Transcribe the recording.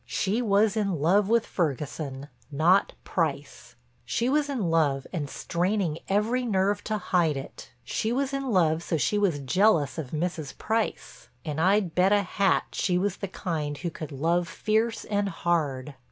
She was in love with Ferguson, not Price; she was in love and straining every nerve to hide it; she was in love so she was jealous of Mrs. Price—and I'd bet a hat she was the kind who could love fierce and hard.